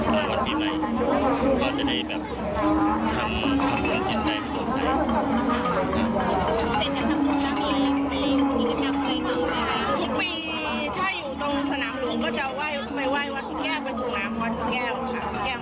แล้วก็วันโปรดแล้วก็บ่ายค่อยไปหาอะไรทั้งกัน